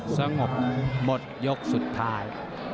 สงบหมดยกสุดท้าย